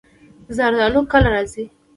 زردالو کله راځي؟